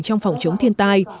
trong phòng chống thiên tai